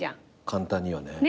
簡単にはね。